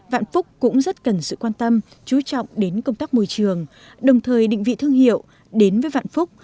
vạn phúc cũng rất cần sự quan tâm chú trọng đến công tác môi trường đồng thời định vị thương hiệu đến với vạn phúc